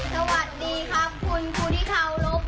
สวัสดีครับคุณครูที่เคารพ